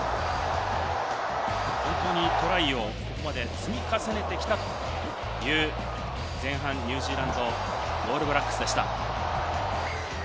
トライをここまで積み重ねてきた前半のニュージーランド、オールブラックスでした。